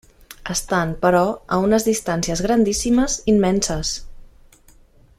Estan, però, a unes distàncies grandíssimes, immenses.